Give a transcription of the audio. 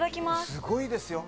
すごいですよ。